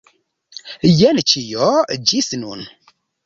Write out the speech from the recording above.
Jen ĉio, ĝis nun.